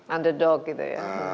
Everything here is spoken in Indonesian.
underdog gitu ya